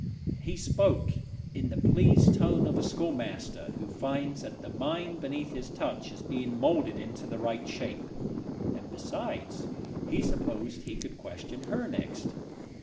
He spoke in the pleased tone of a schoolmaster who finds that the mind beneath his touch is being moulded into the right shape; and besides he supposed he could question her next.